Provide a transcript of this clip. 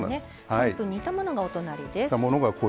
３分、煮たものがお隣です。